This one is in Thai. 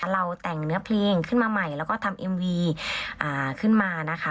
เราแต่งเนื้อเพลงขึ้นมาใหม่แล้วก็ทำเอ็มวีขึ้นมานะคะ